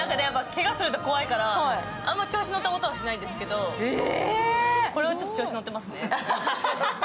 けがすると怖いから、あんま調子に乗ったことはしないんですけど、これは調子に乗ってますね。